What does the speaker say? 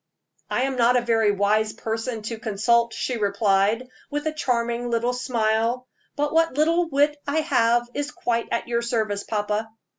"I am not a very wise person to consult," she replied, with a charming little smile, "but what little wit I have is quite at your service, papa."